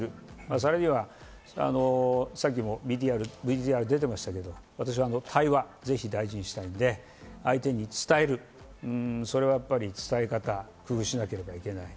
それにはさっきもＶＴＲに出てましたが、対話を大事にしたいので、相手に伝える、それはやっぱり伝え方を工夫しなければいけない。